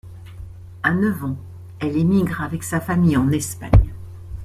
À neuf ans, elle émigre avec sa famille en Espagne.